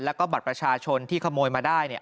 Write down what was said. แล้วก็บัตรประชาชนที่ขโมยมาได้เนี่ย